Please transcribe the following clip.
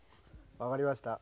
分かりました。